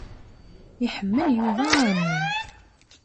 Iḥemmel Yuba aɣenni.